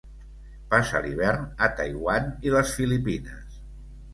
Passa l'hivern a Taiwan i les Filipines.